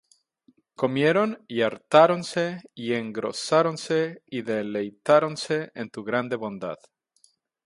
comieron, y hartáronse, y engrosáronse, y deleitáronse en tu grande bondad.